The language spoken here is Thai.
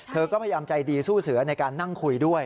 เธอก็พยายามใจดีสู้เสือในการนั่งคุยด้วย